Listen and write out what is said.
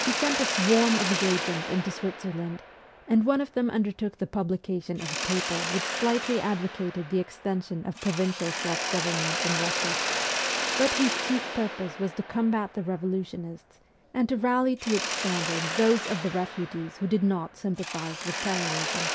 He sent a swarm of his agents into Switzerland, and one of them undertook the publication of a paper which slightly advocated the extension of provincial self government in Kussia, but whose chief purpose was to combat the revolutionists, and to rally to its standard those of the refugees who did not sympathize with terrorism.